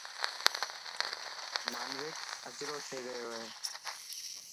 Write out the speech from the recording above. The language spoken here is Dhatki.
مانوڪ اجرو ٿي گيو هي.